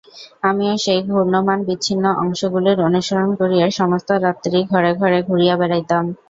আমিও সেই ঘূর্ণ্যমান বিচ্ছিন্ন অংশগুলির অনুসরণ করিয়া সমস্ত রাত্রি ঘরে ঘরে ঘুরিয়া বেড়াইতাম।